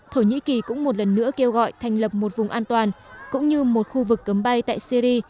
thổ nhĩ kỳ cũng một lần nữa kêu gọi thành lập một vùng an toàn cũng như một khu vực cấm bay tại syri